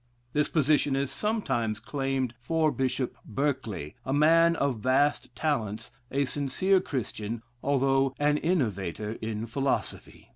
This position is sometimes claimed for Bishop Berkeley, a man of vast talents, a sincere Christian, although an innovator in philosophy.